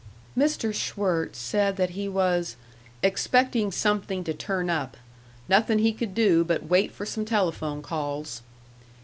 Mr. Schwirtz said that he was "expecting something to turn up nothin' he could do but wait for some telephone calls."